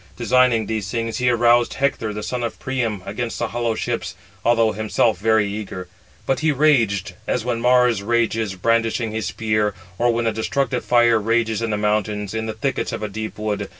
Designing these things, he aroused Hector, the son of Priam, against the hollow ships, although himself very eager. But he raged, as when Mars [rages], brandishing his spear, or [when] a destructive fire rages in the mountains, in the thickets of a deep wood.